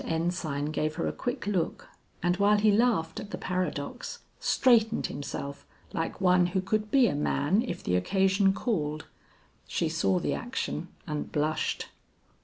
Ensign gave her a quick look, and while he laughed at the paradox, straightened himself like one who could be a man if the occasion called. She saw the action and blushed.